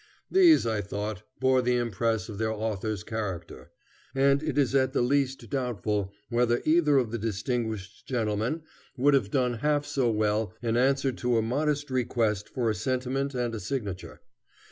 These, I thought, bore the impress of their authors' character, and it is at the least doubtful whether either of the distinguished gentlemen would have done half so well in answer to a modest request for a sentiment and a signature.